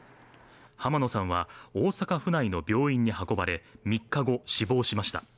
濱野さんは大阪府内の病院に運ばれ３日後、死亡しました。